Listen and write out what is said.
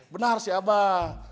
benar si abah